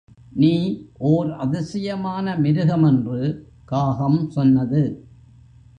நீ ஓர் அதிசயமான மிருகம் என்று காகம் சொன்னது.